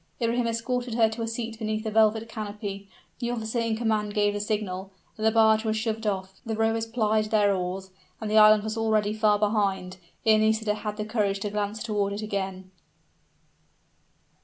Ibrahim escorted her to a seat beneath the velvet canopy; the officer in command gave the signal, the barge was shoved off, the rowers plied their oars, and the island was already far behind, ere Nisida had the courage to glance toward it again!